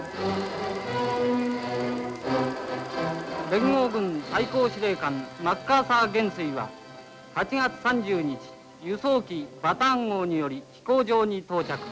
「連合軍最高司令官マッカーサー元帥は８月３０日輸送機バターン号により飛行場に到着。